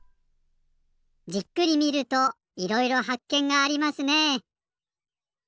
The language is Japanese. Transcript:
じっくり見るといろいろはっけんがありますね。